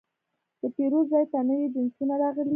د پیرود ځای ته نوي جنسونه راغلي.